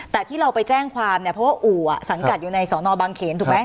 แต่ที่เราไปแจ้งความเนี่ยเพราะว่าอู่สังกัดอยู่ในสอนอบางเขนถูกไหม